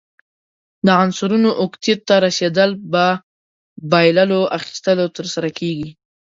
د عنصرونو اوکتیت ته رسیدل په بایللو، اخیستلو ترسره کیږي.